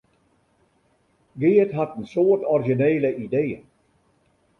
Geart hat in soad orizjinele ideeën.